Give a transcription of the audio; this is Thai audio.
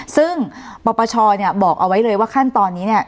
ซึ่งปปชบอกเอาไว้เลยว่าขั้นตอนนี้เนี่ย